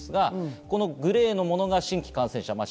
グレーのものが新規感染者です。